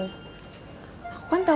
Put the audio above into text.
kan aku telepon kamu minggu lalu